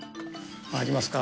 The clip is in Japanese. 入りますか。